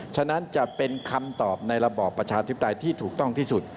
ฉะนั้นจะเป็นคำตอบในระบอบประชาธิปไตยที่ถูกต้องที่สุด